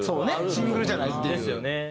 シングルじゃないっていう。